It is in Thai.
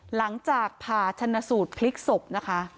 หลังจากผ่าชนสูตรพลิกศพนะคะ